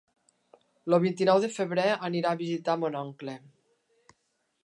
El vint-i-nou de febrer anirà a visitar mon oncle.